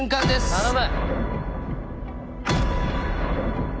頼む！